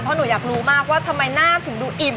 เพราะหนูอยากรู้มากว่าทำไมหน้าถึงดูอิ่ม